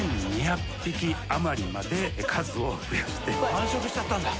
繁殖しちゃったんだ。